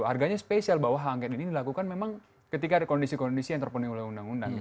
harganya spesial bahwa hak angket ini dilakukan memang ketika ada kondisi kondisi yang terpenuhi oleh undang undang